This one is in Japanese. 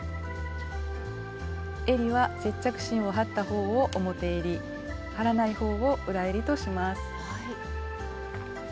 えりは接着芯を貼った方を表えり貼らない方を裏えりとします。